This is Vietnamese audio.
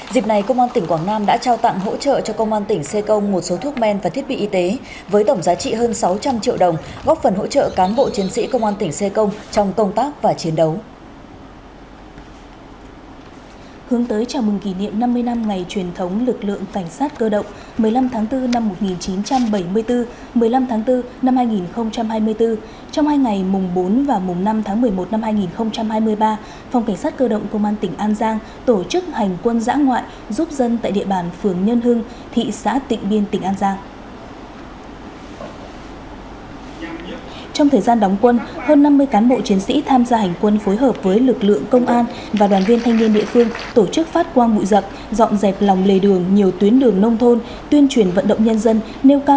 dịp này công an tỉnh quảng nam đã trao tặng hỗ trợ cho công an tỉnh xê công một số thuốc men và thiết bị y tế với tổng giá trị hơn sáu trăm linh triệu đồng góp phần hỗ trợ cán bộ chiến sĩ công an tỉnh xê công trong công tác và chiến đấu